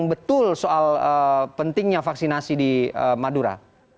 betul soal pentingnya vaksinasi di madura